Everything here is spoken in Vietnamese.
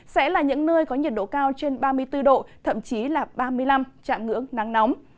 sẽ là những nơi có nhiệt độ cao trên ba mươi bốn độ thậm chí là ba mươi năm trạng ngưỡng nắng nóng